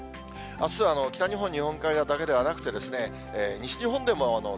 あすは北日本、日本海側だけではなくて、西日本でも